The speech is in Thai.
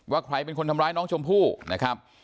ใครเป็นคนทำร้ายน้องชมพู่นะครับ